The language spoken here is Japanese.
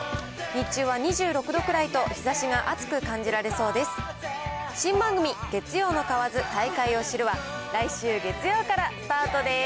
日中は２６度くらいと日ざしが暑く感じられそうです。